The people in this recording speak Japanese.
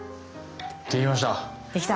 できました！